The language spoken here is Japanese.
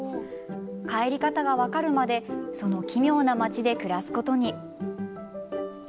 帰り方が分かるまでその奇妙な町で暮らすことに。